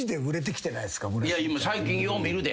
最近よう見るで。